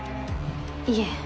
いえ。